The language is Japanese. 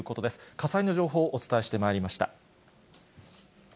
火災の情報、お伝えしてまいりました。